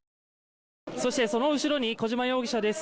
そしてその後ろに小島容疑者です